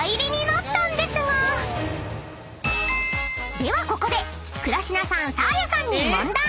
［ではここで倉科さんサーヤさんに問題！］